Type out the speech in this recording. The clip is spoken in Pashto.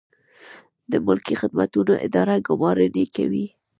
د ملکي خدمتونو اداره ګمارنې کوي